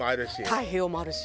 太平洋もあるし。